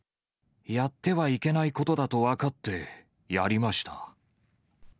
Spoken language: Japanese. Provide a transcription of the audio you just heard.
やってはいけないことだと分かってやりました。